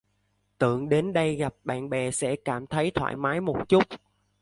tưởng đến đây gặp bạn bè sẽ cảm thấy thoải mái một chút